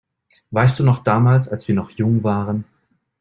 Weißt du noch damals, als wir noch jung waren?